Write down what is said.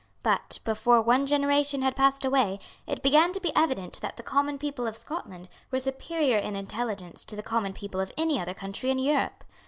But, before one generation had passed away, it began to be evident that the common people of Scotland were superior in intelligence to the common people of any other country in Europe.